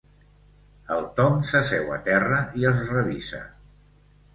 El Tom s'asseu a terra i els revisa.